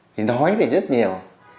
thì nói là rất nhiều